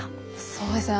そうですね